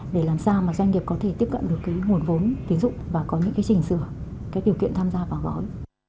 để làm sao doanh nghiệp có thể tiếp cận được nguồn vốn tính dụng và có những trình sửa các điều kiện tham gia vào gói